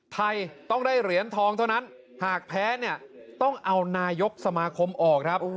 ไทยต้องได้เหรียญทองเท่านั้นหากแพ้เนี่ยต้องเอานายกสมาคมออกครับ